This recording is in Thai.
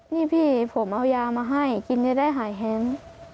นี่พี่ผมเอายามาให้กินจะได้หายแฮน